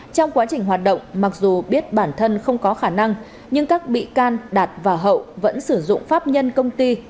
trong quá trình hoạt động mặc dù biết bản thân không có khả năng nhưng các bị can đạt và hậu vẫn sử dụng pháp nhân công ty